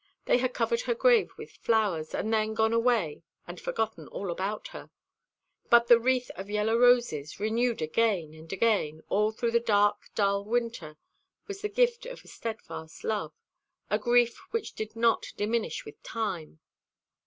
They had covered her grave with flowers, and then had gone away and forgotten all about her; but the wreath of yellow roses, renewed again and again, all through the dark dull winter, was the gift of a steadfast love, a grief which did not diminish with time.